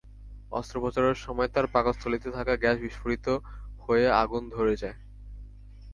অস্ত্রোপচারের সময় তাঁর পাকস্থলীতে থাকা গ্যাস বিস্ফোরিত হয়ে আগুন ধরে যায়।